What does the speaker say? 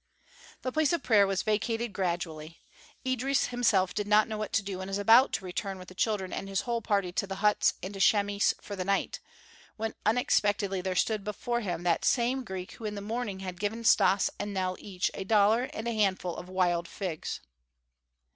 The place of prayer was vacated gradually. Idris himself did not know what to do and was about to return with the children and his whole party to the huts and to Chamis for the night, when unexpectedly there stood before them that same Greek who in the morning had given Stas and Nell each a dollar and a handful of wild figs.